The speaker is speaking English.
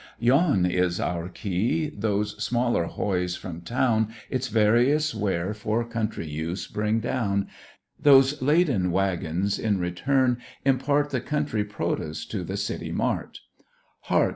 Yon is our Quay! those smaller hoys from town, Its various ware, for country use, bring down; Those laden waggons, in return, impart The country produce to the city mart; Hark!